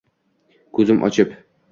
Ko’zim ochib